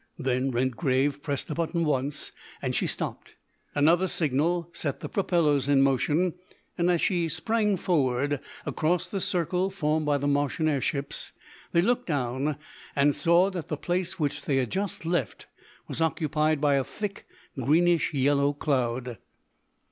Then Redgrave pressed the button once and she stopped. Another signal set the propellers in motion, and as she sprang forward across the circle formed by the Martian air ships, they looked down and saw that the place which they had just left was occupied by a thick greenish yellow cloud.